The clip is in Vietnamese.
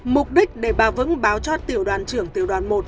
mục đích để bà vững báo cho tiểu đoàn trưởng tiểu đoàn một